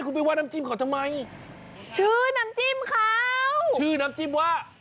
คุณไปว่าน้ำจิ้มเขาทำไมชื่อน้ำจิ้มเขาชื่อน้ำจิ้มว่า